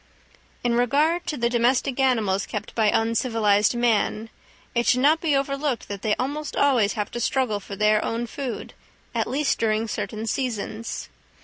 In regard to the domestic animals kept by uncivilised man, it should not be overlooked that they almost always have to struggle for their own food, at least during certain seasons.